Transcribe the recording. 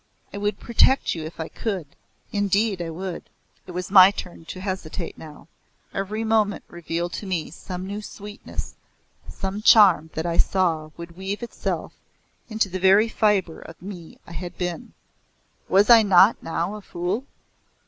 I would protect you if I could indeed I would!" It was my turn to hesitate now. Every moment revealed to me some new sweetness, some charm that I saw would weave itself into the very fibre of my I had been! Was I not now a fool?